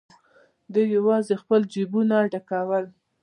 دوی یوازې خپل جېبونه ډکول.